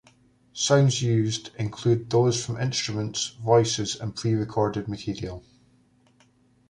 Sounds used include those from instruments, voices, and pre-recorded material.